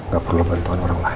gak perlu bantuan orang lain